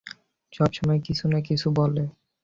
সবসময় কিছু না কিছু বলে।